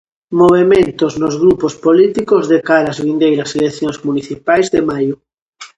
Movementos nos grupos políticos de cara ás vindeiras eleccións municipais de maio.